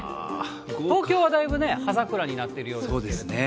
東京はだいぶ葉桜になってるようですけれども。